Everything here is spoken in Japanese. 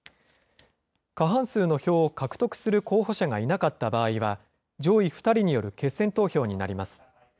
過半数の票を獲得する候補者がいなかった場合は、上位２人による決選投票になります。